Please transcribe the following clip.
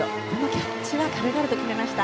キャッチは軽々と決めました。